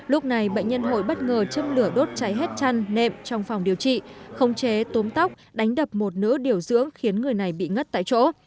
lúc này bệnh nhân hội bất ngờ châm lửa đốt cháy hết chăn nệm trong phòng điều trị khống chế tốm tóc đánh đập một nữ điều dưỡng khiến người này bị ngất tại chỗ